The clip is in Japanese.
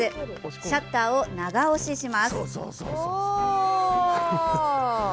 シャッターを長押しします。